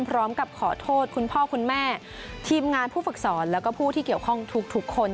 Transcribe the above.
พร้อมกับขอโทษคุณพ่อคุณแม่ทีมงานผู้ฝึกสอนแล้วก็ผู้ที่เกี่ยวข้องทุกคน